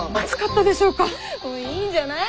いいんじゃない？